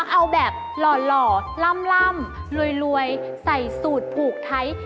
เอาแบบหล่อล่ำรวยใส่สูตรผูกไทย